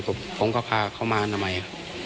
ผมก็พาเขามาอันตรายหน่อยครับ